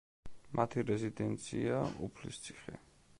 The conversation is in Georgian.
მათი რეზიდენციაა უფლისციხე.